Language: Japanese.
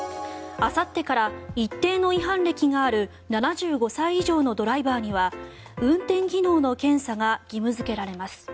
あさってから一定の違反歴がある７５歳以上のドライバーには運転技能の検査が義務付けられます。